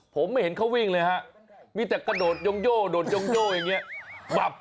ผมไม่เห็นเขาวิ่งเลยฮะมีแต่กระโดดโยงโย่โดดยงโย่อย่างนี้